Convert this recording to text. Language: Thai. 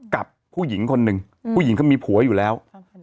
กับผู้หญิงคนหนึ่งผู้หญิงเขามีผัวอยู่แล้ว